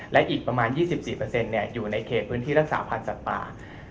และอีกประมาณ๒๔อยู่ในเขตพื้นที่รักษาพันธ์สัตว์ป่า